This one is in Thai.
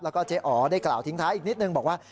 แล้วก็เจ๊อ๋อได้กล่าวทิ้งท้ายอีกนิดนึงบอกว่า